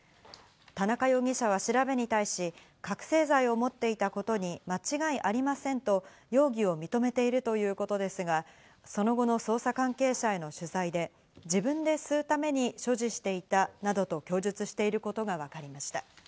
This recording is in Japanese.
田中容疑者は調べに対し、覚醒剤を持っていたことに間違いありませんと容疑を認めているということですが、その後の捜査関係者への取材で、自分で吸うために所持していたなどと供述していることがわかりました。